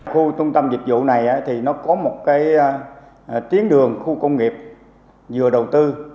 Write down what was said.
khu tông tâm dịch vụ này thì nó có một cái tiến đường khu công nghiệp vừa đầu tư